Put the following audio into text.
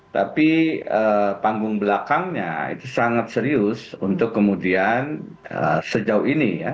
tapi panggung belakangnya itu sangat serius untuk kemudian sejauh ini ya